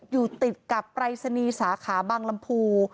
อยู่ติดกับปรายศนีย์สาขาบางลำพู